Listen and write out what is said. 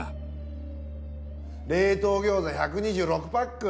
冷凍餃子１２６パック。